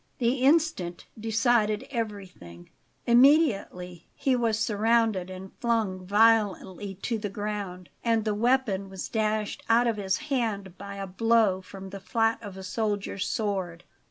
The instant decided everything. Immediately he was surrounded and flung violently to the ground, and the weapon was dashed out of his hand by a blow from the flat of a soldier's sword.